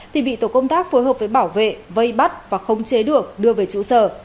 thì bị tổ công tác phối hợp với bảo vệ vây bắt và không chế được đưa về trụ sở